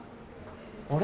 あれ？